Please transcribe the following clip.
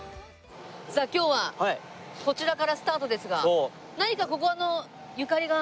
さあ今日はこちらからスタートですが何かここの。